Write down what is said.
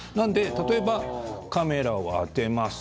例えばカメラを当てます。